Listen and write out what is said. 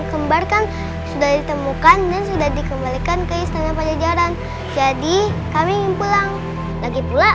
kembar kan sudah ditemukan dan sudah dikembalikan ke istana pajajaran jadi kami pulang lagi pula